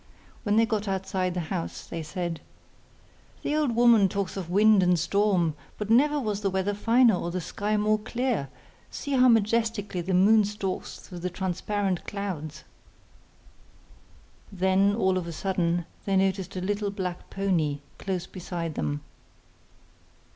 When they got outside the house they said: 'The old woman talks of wind and storm, but never was the weather finer or the sky more clear; see how majestically the moon stalks through the transparent clouds!' Then all of a sudden they noticed a little black pony close beside them.